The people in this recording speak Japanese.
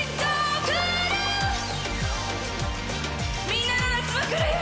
みんなの夏も来るよ！